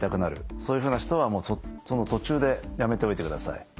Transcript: そういうふうな人はその途中でやめておいてください。